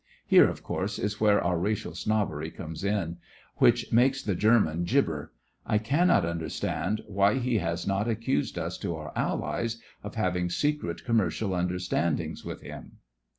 [Here, of course, is where our racial snobbery comes THE FRINGES OF THE FLEET 119 in, which makes the German gibber. I cannot understand why he has not accused us to our AlHes of having secret commercial understandings with him.